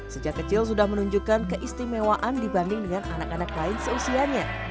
sejak kecil sudah menunjukkan keistimewaan dibanding dengan anak anak lain seusianya